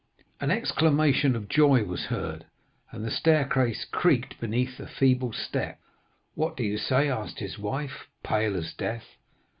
"An exclamation of joy was heard, and the staircase creaked beneath a feeble step. 'What do you say?' asked his wife, pale as death.